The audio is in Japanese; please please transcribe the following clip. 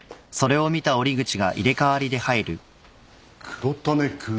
黒種君。